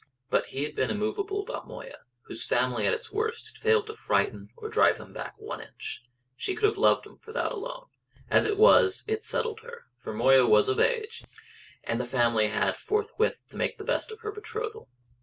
But he had been immovable about Moya, whose family at its worst had failed to frighten or to drive him back one inch. She could have loved him for that alone; as it was it settled her; for Moya was of age, and the family had forthwith to make the best of her betrothal.